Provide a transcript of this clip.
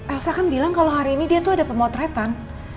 elsa kan bilang kalau hari ini dia tuh ada pemotretan